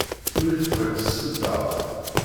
Tuli tekriṭ s tseddart.